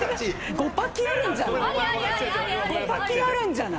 ５パキあるんじゃない？